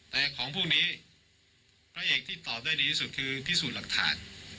แต่ของพวกนี้พระเอกที่ตอบได้ดีที่สุดคือพิสูจน์หลักฐาน